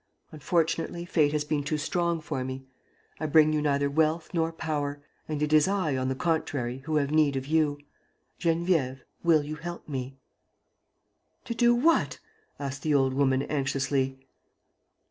Unfortunately, fate has been too strong for me. I bring you neither wealth nor power. And it is I, on the contrary, who have need of you. Geneviève, will you help me?'" "To do what?" asked the old woman, anxiously.